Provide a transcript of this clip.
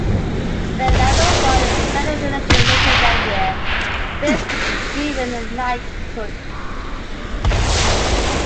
When Labour won the general election later that year, Fiske was given a knighthood.